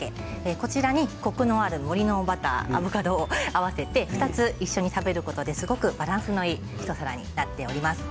こちらにコクのある森のバターアボカドを合わせて２つ一緒に食べることでバランスのいい一皿になっております。